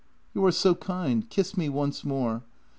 "You are so kind. Kiss me once more!